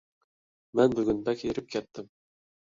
مەن بۈگۈن بەك ھېرىپ كەتتىم.